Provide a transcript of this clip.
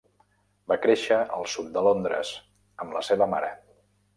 Va créixer al sud de Londres, amb la seva mare.